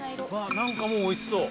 何かもうおいしそう。